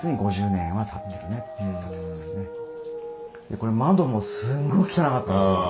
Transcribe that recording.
これ窓もすごい汚かったんですよ。